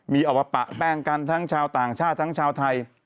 มีออกมาปะแป้งกันทั้งชาวต่างชาติทั้งชาวไทย